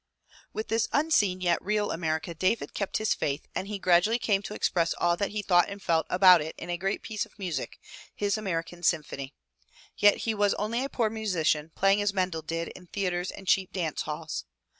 With this unseen yet real America David kept his faith and he gradually came to express all that he thought and felt about it in a great piece of music, his American symphony. Yet he was only a poor musician playing as Mendel did, in theatres and cheap dance halls.